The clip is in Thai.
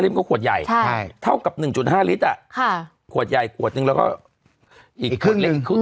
๑๕ลิตรก็ขวดใหญ่เท่ากับ๑๕ลิตรอะขวดใหญ่ขวดนึงแล้วก็อีกขึ้นเล็ก